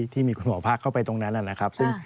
ที่มีคุณหมอภาคเข้าไปตรงนั้นนะครับ